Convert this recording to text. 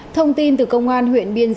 thông tin từ công an huyện biên giang